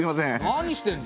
何してんの？